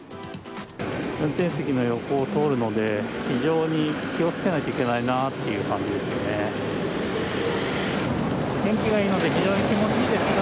運転席の横を通るので非常に気を付けないといけないなというか。